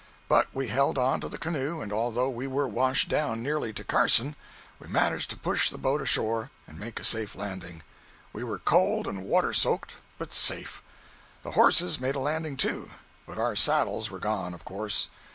But we held on to the canoe, and although we were washed down nearly to the Carson, we managed to push the boat ashore and make a safe landing. We were cold and water soaked, but safe. The horses made a landing, too, but our saddles were gone, of course.